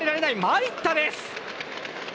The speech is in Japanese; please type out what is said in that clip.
参ったです。